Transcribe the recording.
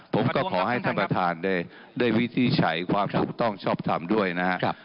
ผมก็ขอให้ท่านประธานได้วินิจฉัยความถูกต้องชอบทำด้วยนะครับ